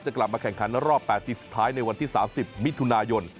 กลับมาแข่งขันรอบ๘ทีมสุดท้ายในวันที่๓๐มิถุนายน